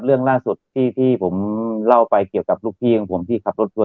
เรื่องล่าสุดที่ผมเล่าไปเกี่ยวกับลูกพี่ของผมที่ขับรถทัว